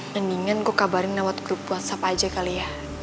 mendingan kau kabarin lewat grup whatsapp aja kali ya